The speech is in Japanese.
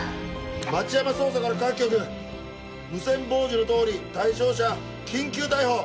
町山捜査から各局無線傍受の通り対象者緊急逮捕。